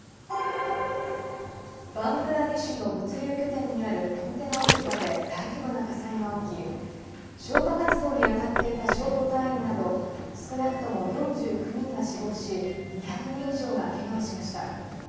バングラデシュの物流拠点にあるコンテナ置き場で大規模な火災が起き消火活動に当たっていた消防隊員など少なくとも４９人が死亡し２００人以上が、けがをしました。